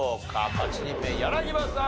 ８人目柳葉さん